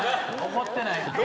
怒ってない。